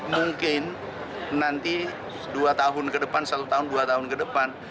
mungkin nanti dua tahun ke depan satu tahun dua tahun ke depan